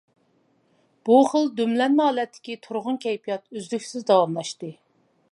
بۇ خىل دۈملەنمە ھالەتتىكى تۇرغۇن كەيپىيات ئۆزلۈكسىز داۋاملاشتى.